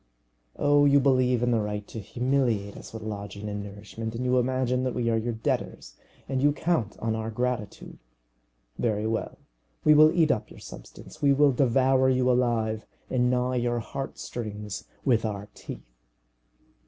Oh, you believe in the right to humiliate us with lodging and nourishment, and you imagine that we are your debtors, and you count on our gratitude! Very well; we will eat up your substance, we will devour you alive and gnaw your heart strings with our teeth.